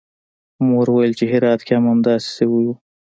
مور ویل چې هرات کې هم همداسې شوي وو